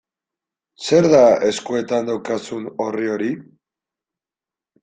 Zer da eskuetan daukazun orri hori?